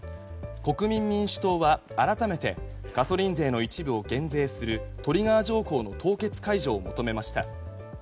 国民民主党は改めてガソリン税の一部を減税するトリガー条項の凍結解除を求めました。